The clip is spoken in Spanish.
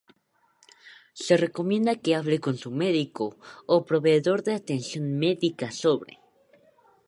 se recomienda que hable con su médico o proveedor de atención médica sobre